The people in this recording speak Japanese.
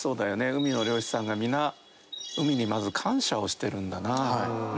海の漁師さんが皆海にまず感謝をしてるんだな。